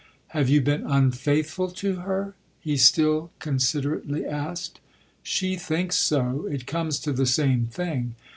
"Have you been unfaithful to her?" he still considerately asked. "She thinks so it comes to the same thing.